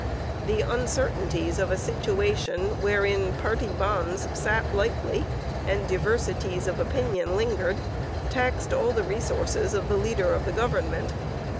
The uncertainties of a situation wherein party bonds sat lightly and diversities of opinion lingered, taxed all the resources of the leader of the government.